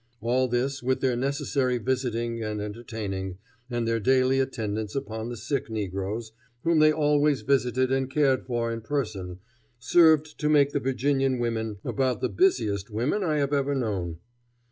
All this, with their necessary visiting and entertaining, and their daily attendance upon the sick negroes, whom they always visited and cared for in person, served to make the Virginian women about the busiest women I have ever known.